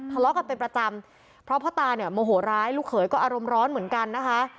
ทะเลาะกันเป็นประจำเพราะพ่อตาเนี่ยโมโหร้ายลูกเขยก็อารมณ์ร้อนเหมือนกันนะคะ